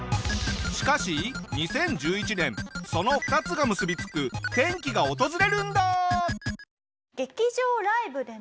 しかし２０１１年その２つが結び付く転機が訪れるんだ！